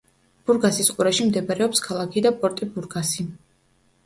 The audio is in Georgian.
ბურგასის ყურეში მდებარეობს ქალაქი და პორტი ბურგასი.